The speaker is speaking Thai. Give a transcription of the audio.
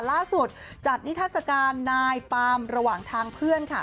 ล่าสุดจัดนิทัศกาลนายปามระหว่างทางเพื่อนค่ะ